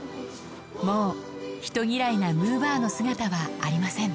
もう人嫌いなむぅばあの姿はありません